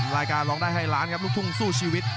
รายการร้องได้ให้ล้านครับลูกทุ่งสู้ชีวิต